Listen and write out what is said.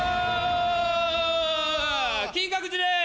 金閣寺です！